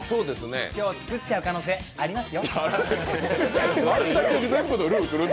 今日は作っちゃう可能性ありますよ。